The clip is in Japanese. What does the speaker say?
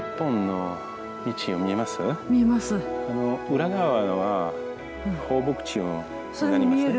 裏側は放牧地になりますね。